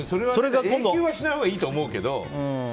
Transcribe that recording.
永久はしないほうがいいと思うけど。